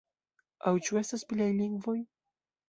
Aŭ ĉu estas pliaj lingvoj?